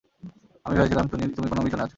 আমি ভেবেছিলাম তুমি কোন মিশনে আছ।